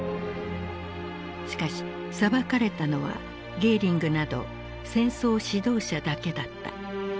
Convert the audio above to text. しかし裁かれたのはゲーリングなど戦争指導者だけだった。